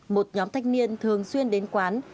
một nhóm thanh niên thường xuyên đến quán